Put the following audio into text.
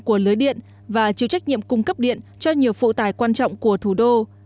của lưới điện và chịu trách nhiệm cung cấp điện cho nhiều phụ tải quan trọng của thủ đô